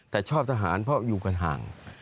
แต่ชอบทหารเพราะอยู่กันห่าง